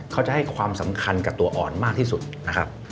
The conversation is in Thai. เขาจะให้ความสำคัญกับตัวอ่อนมากที่สุดนะครับ